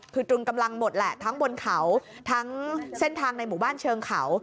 คือตรึงกำลังหมดแหละทั้งบนเขาทั้งเส้นทางในหมู่บ้านเชิงเขา